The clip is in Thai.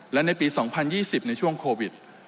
และในปี๒๐๒๐ในช่วงโควิด